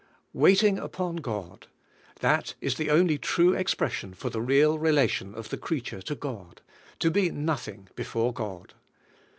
"Waiting upon God," — that is the onl}^ true ex pression for the real relation of the creature to God ; to be nothing before God.